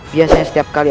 biasanya setiap kali